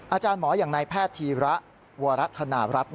อาจารย์หมออย่างนายแพทย์ธีระวรธนารัฐ